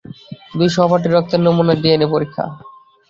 দুই সহপাঠীর রক্তের নমুনার ডিএনএ পরীক্ষা।